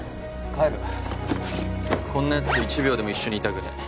帰るこんなやつと１秒でも一緒にいたくねえ